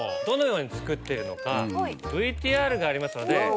どのように作っているのかＶＴＲがありますので。